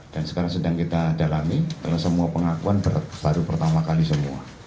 dan sekarang sedang kita dalami telah semua pengakuan baru pertama kali semua